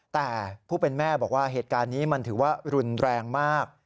แต่ผู้เป็นแม่บอกว่าเหตุการณ์นี้มันถือว่ารุนแรงมาก